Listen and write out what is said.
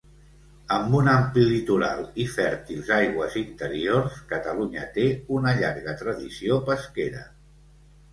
Amb un ampli litoral i fèrtils aigües interiors, Catalunya té una llarga tradició pesquera.